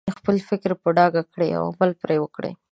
خپل فکرونه په ډاګه کړئ او عمل پرې وکړئ.